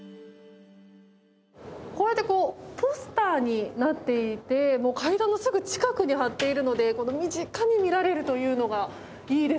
こうやってこうポスターになっていて階段のすぐ近くに貼っているので身近に見られるというのがいいですよね。